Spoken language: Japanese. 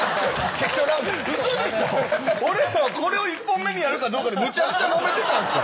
俺らはこれを１本目にやるかどうかでむちゃくちゃもめてたんすから。